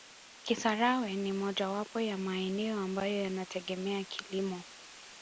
Kisarawe ni mojawapo ya maeneo ambayo yanategemea kilimo